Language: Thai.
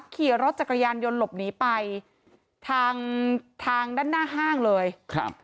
ขี่รถจักรยานยนต์หลบหนีไปทางทางด้านหน้าห้างเลยครับ